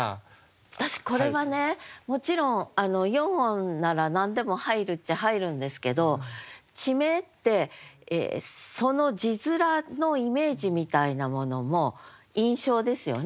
私これはねもちろん四音なら何でも入るっちゃ入るんですけど地名ってその字面のイメージみたいなものも印象ですよね。